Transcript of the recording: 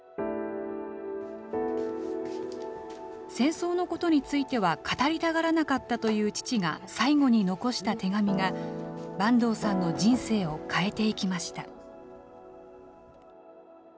戦争のことについては語りたがらなかったという父が最後に遺した手紙が坂東さんの人生を変えていきました。